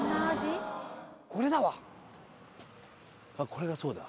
これがそうだ。